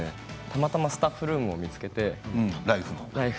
たまたまスタッフルームを見つけて。